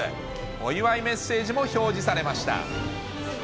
お祝いメッセージも表示されました。